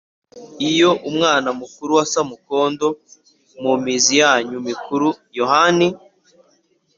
iyo mwama mukuru wa samukondo mu mizi yanyu mikuru". yohani